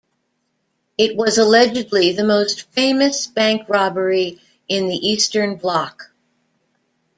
It was allegedly the most famous bank robbery in the Eastern bloc.